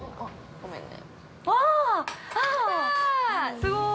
◆すごい。